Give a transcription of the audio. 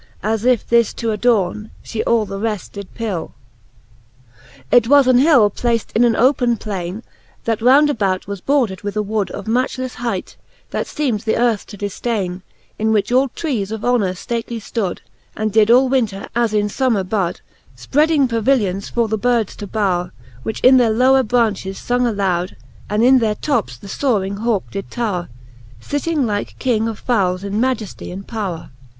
As if this to adorne, fiie all the reft did pill. VI. It Canto X. the Faerie i^eene. 353 VI. , It was an hill plafte in an open plaine, That round about was bordered with a wood Of matchleffe hight, that feem'd th' earth to difdaine, In which all trees of honour lately flood, And did all winter as in fommer bud, Spredding pavilions for the birds to bowre, Which in their lower braunches fung aloud ; And in their tops the foring hauke did towre, Sitting like King of fowles in majefty and powre. VII.